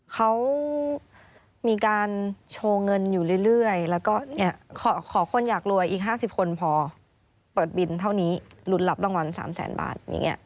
เขามีการโชว์เงินอยู่เรื่อยแล้วก็ขอคนอยากรวยอีก๕๐คนพอเปิดบินเท่านี้ลุ้นรับรางวัล๓แสนบาท